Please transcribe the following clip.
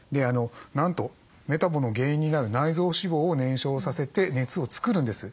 なんとメタボの原因になる内臓脂肪を燃焼させて熱を作るんです。